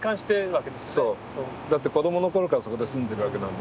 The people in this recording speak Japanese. だって子どもの頃からそこで住んでるわけなので。